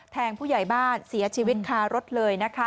แทงผู้ใหญ่บ้านเสียชีวิตคารถเลย